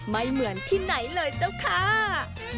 ไม่เหมือนที่ไหนเลยเจ้าค่ะ